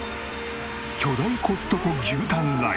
巨大コストコ牛タンライス。